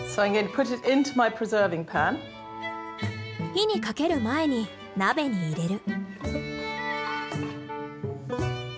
火にかける前に鍋に入れる。